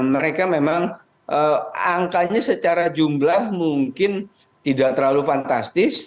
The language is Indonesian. mereka memang angkanya secara jumlah mungkin tidak terlalu fantastis